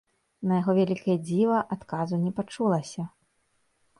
На яго вялікае дзіва, адказу не пачулася.